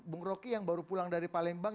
bung roky yang baru pulang dari palembang